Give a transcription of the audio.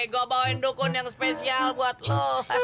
gue bawain dukun yang spesial buat lo